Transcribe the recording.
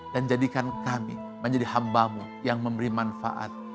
dan jadikan kami menjadi hambamu yang memberi manfaat